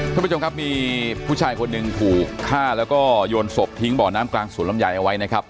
ท่านผู้ชมครับมีผู้ชายคนหนึ่งถูกฆ่าแล้วก็โยนศพทิ้งบ่อน้ำกลางสวนลำไยเอาไว้นะครับ